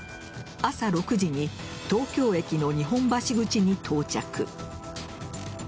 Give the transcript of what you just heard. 朝６時に東京駅の日本橋口に到着。